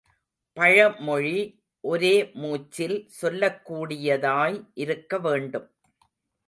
பழமொழி ஒரே மூச்சில் சொல்லக் கூடியதாய் இருக்க வேண்டும்.